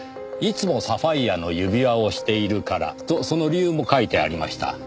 いつもサファイアの指輪をしているからとその理由も書いてありました。